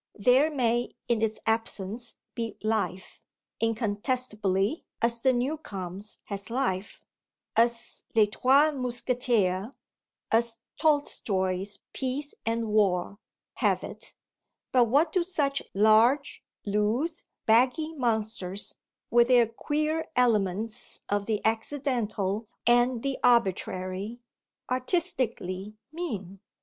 There may in its absence be life, incontestably, as The Newcomes has life, as Les Trois Mousquetaires, as Tolstoi's Peace and War, have it; but what do such large, loose, baggy monsters, with their queer elements of the accidental and the arbitrary, artistically mean?